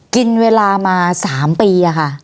กินเวลามา๓ปีค่ะ